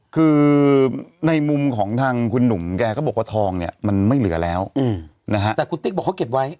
คือในมุมของทางคุณหนุ่มแกก็บอกว่าทองเนี่ยมันไม่เหลือแล้วนะฮะแต่คุณติ๊กบอกเขาเก็บไว้